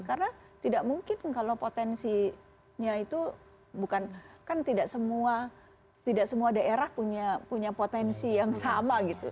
karena tidak mungkin kalau potensinya itu bukan kan tidak semua daerah punya potensi yang sama gitu